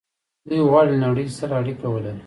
دوی غواړي له نړۍ سره اړیکه ولري.